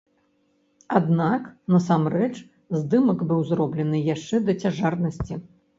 Аднак насамрэч здымак быў зроблены яшчэ да цяжарнасці.